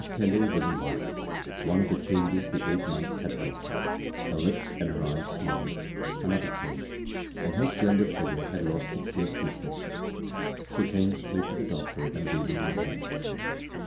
Kendall was in white — one of the cfianges the eight months had brought. Her lips and her eyes smiled — another change — and her slender figure had lost its lisdessness. She came straight to the doctor and gave him her hand.